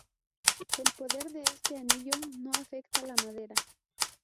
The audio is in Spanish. El poder de este anillo no afecta la madera.